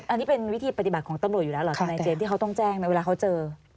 อันนี้เป็นวิธีปฏิบัติของตำรวจอยู่แล้วเหรอทนายเจมส์ที่เขาต้องแจ้งนะเวลาเขาเจอ